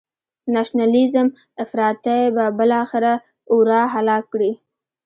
نشنلیزم افراطی به بالاخره او را هلاک کړي.